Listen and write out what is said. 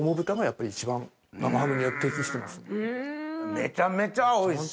めちゃめちゃおいしい！